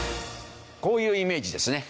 こういうイメージですね。